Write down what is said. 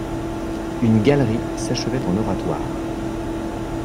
Une galerie s’achevait en oratoire.